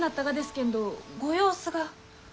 けんどご様子が。